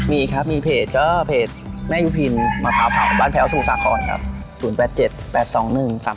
มีครับมีเพจเพจแม่ยุพินมาเผาบ้านแพ้วสู่สาขอนครับ๐๘๗๘๒๑๓๘๖๑ครับ